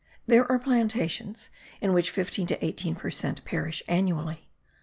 There are plantations in which fifteen to eighteen per cent perish annually.